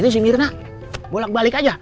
tadi si mirna bolak balik aja